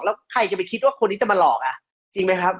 แล้วใครจะไปคิดว่าคนที่จะมาหลอกอ่ะจริงไหมครับ